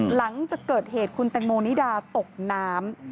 หลังจากเกิดเหตุคุณแตงโมนิดาตกน้ำ